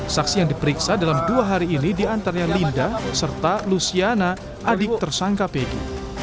saksi yang diperiksa dalam dua hari ini diantaranya linda serta luciana adik tersangka pegi